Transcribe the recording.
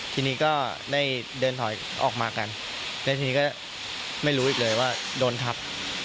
ทีนี้ก็ได้เดินถอยออกมากันแล้วทีนี้ก็ไม่รู้อีกเลยว่าโดนทับ